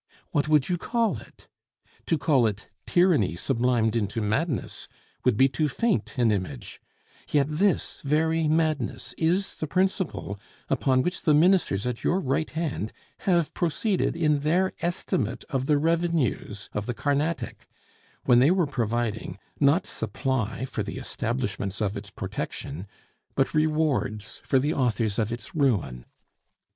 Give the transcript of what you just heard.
What would you call it? To call it tyranny sublimed into madness would be too faint an image; yet this very madness is the principle upon which the ministers at your right hand have proceeded in their estimate of the revenues of the Carnatic, when they were providing, not supply for the establishments of its protection, but rewards for the authors of its ruin.